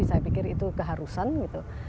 saya pikir itu keharusan gitu